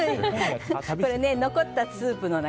残ったスープの中